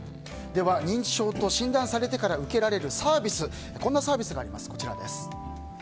認知症と診断されてから受けられるサービスにはこんなサービスがあります。